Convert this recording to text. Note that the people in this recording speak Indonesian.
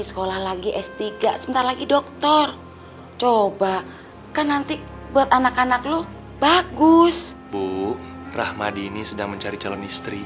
sekolah lagi stg sebentar lagi doktor coba kan nanti buat anak anak lu bagus bu graham